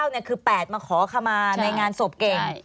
๙เนี่ยคือ๘มาขอเข้ามาในงานศพเก่ง